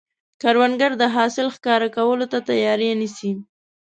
کروندګر د حاصل ښکاره کولو ته تیاری نیسي